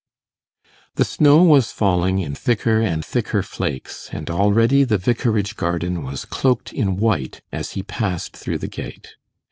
The snow was falling in thicker and thicker flakes, and already the vicarage garden was cloaked in white as he passed through the gate.